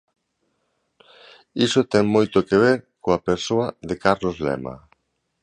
Iso ten moito que ver coa persoa de Carlos Lema.